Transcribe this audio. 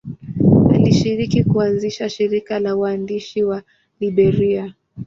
Alishiriki kuanzisha shirika la waandishi wa Liberia.